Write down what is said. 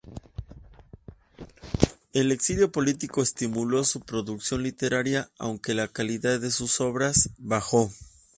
El exilio político estimuló su producción literaria, aunque la calidad de sus obras bajó.